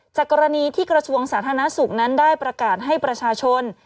จากกรณีที่กระทรวงสาธารณสุขนั้นได้ประกาศให้ประชาชน